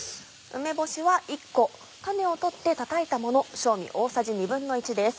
梅干しは１個種を取ってたたいたもの正味大さじ１／２です。